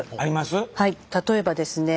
例えばですね